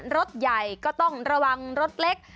รถใหญ่ก็ต้องระวังรถเล็ก